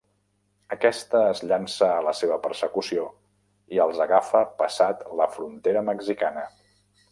Aquest es llança a la seva persecució i els agafa passat la frontera mexicana.